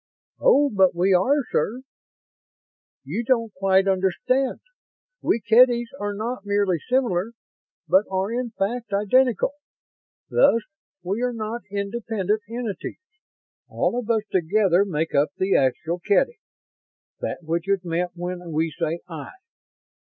"Oh, but we are, sir. You don't quite understand. We Kedys are not merely similar, but are in fact identical. Thus we are not independent entities. All of us together make up the actual Kedy that which is meant when we say 'I'.